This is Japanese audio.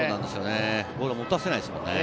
ボールを持たせないですもんね。